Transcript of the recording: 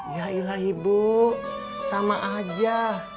yailah ibu sama aja